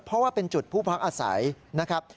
เพราะว่าเป็นจุดผู้พักอาศัยนะครับ